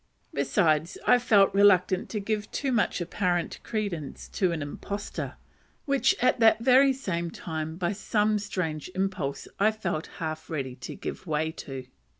Besides, I felt reluctant to give too much apparent credence to an imposture, which at the very same time, by some strange impulse, I felt half ready to give way to.